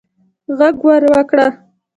ږغ ور وکړه